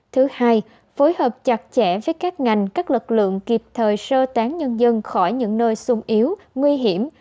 thứ hai phối hợp chặt chẽ với các ngành các lực lượng kịp thời sơ tán nhân dân khỏi những nơi sung yếu nguy hiểm